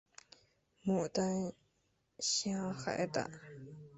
牡丹虾海胆